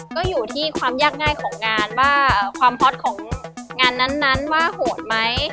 ก็อยู่ที่ความยากง่ายของงานว่าความฮอตของงานนั้นว่าโหดไหม